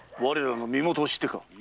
我らの身元を知ってか？